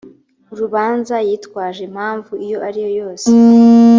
urubanza yitwaje impamvu iyo ari yo yose